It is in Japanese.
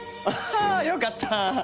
ああよかった！